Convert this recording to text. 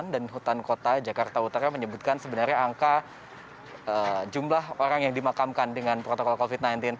dan hutan kota jakarta utara menyebutkan sebenarnya angka jumlah orang yang dimakamkan dengan protokol covid sembilan belas